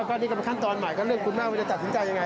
ก็นี่ก็เป็นขั้นตอนใหม่ก็เรื่องคุณแม่ว่าจะตัดสินใจยังไง